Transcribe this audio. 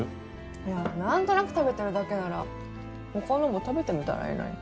いやなんとなく食べてるだけなら他のも食べてみたらいいのに。